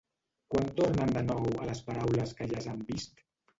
Quan tornen de nou a les paraules que ja s’han vist?